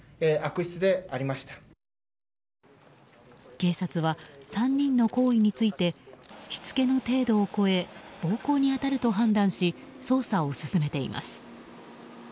警察は３人の行為についてしつけの程度を超え暴行に当たると判断し捜査を進めています。